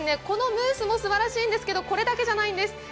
このムースもすばらしいんですけどこれだけじゃないんです。